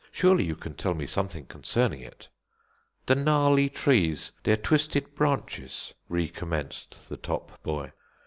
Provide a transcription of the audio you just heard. Surely you can tell me something concerning it." "The gnarly trees, their twisted branches" recommenced the top boy.